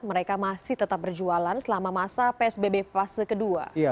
mereka masih tetap berjualan selama masa psbb fase kedua